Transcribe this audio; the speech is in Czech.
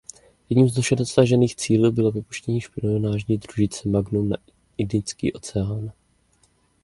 Jedním z dosažených cílů bylo vypuštění špionážní družice Magnum nad Indický oceán.